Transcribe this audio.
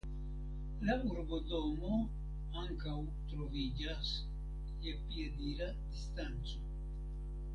La urbodomo ankaŭ troviĝas je piedira distanco.